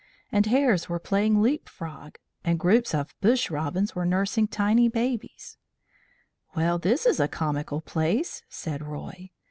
And hares were playing leap frog. And groups of bush robins were nursing tiny dolls. "Well, this is a comical place," said Roy.